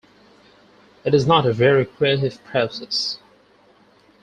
It's not a very creative process.